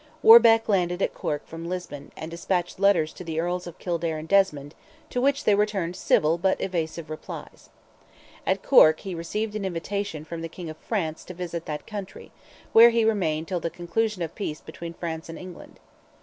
Warbeck landed at Cork from Lisbon, and despatched letters to the Earls of Kildare and Desmond, to which they returned civil but evasive replies. At Cork he received an invitation from the King of France to visit that country, where he remained till the conclusion of peace between France and England.